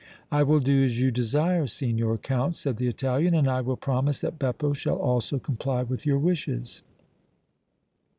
"I will do as you desire, Signor Count," said the Italian, "and I will promise that Beppo shall also comply with your wishes."